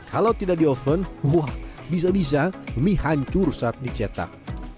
kalau tidak di oven wah bisa bisa mie hancur saat dicetak